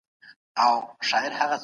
چې موږ به یو بل ساتو.